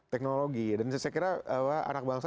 teknologi dan saya kira anak bangsa